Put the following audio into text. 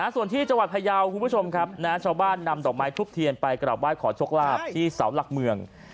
ส่วนที่จังหวัดพยาวคุณผู้ชมครับชาวบ้านนำดอกไม้ทุบเทียนไปกลับไห้ขอโชคลาภที่เสาหลักเมือง